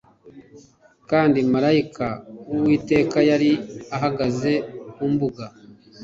kandi marayika w uwiteka yari ahagaze ku mbuga